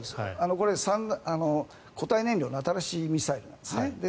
これは固体燃料の新しいミサイルなんです。